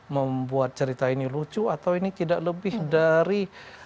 membuat cerita ini lucu atau ini tidak lebih dari